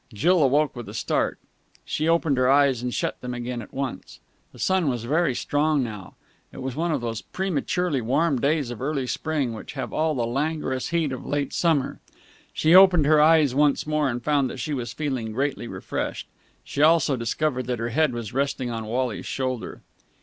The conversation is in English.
Jill awoke with a start. She opened her eyes, and shut them again at once. The sun was very strong now. It was one of those prematurely warm days of early Spring which have all the languorous heat of late summer. She opened her eyes once more, and found that she was feeling greatly refreshed. She also discovered that her head was resting on Wally's shoulder.